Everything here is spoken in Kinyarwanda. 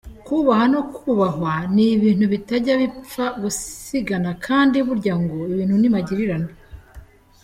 Kubaha no kubahwa ni ibintu bitajya bipfa gusigana kandi burya ngo ibintu ni magirirane.